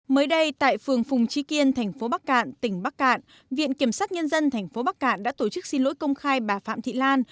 mới đây tại phường phùng trí kiên thành phố bắc cạn tỉnh bắc cạn viện kiểm sát nhân dân tp bắc cạn đã tổ chức xin lỗi công khai bà phạm thị lan